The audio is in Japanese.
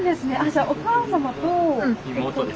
じゃあお母様と。